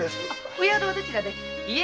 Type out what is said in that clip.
お宿はどちらで？